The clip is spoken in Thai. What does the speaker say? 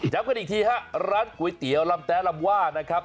กันอีกทีฮะร้านก๋วยเตี๋ยวลำแต๊ลำว่านะครับ